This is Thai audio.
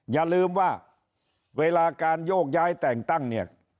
อย่าลืมว่าเวลาการโยกย้ายแต่งตั้งเนี่ย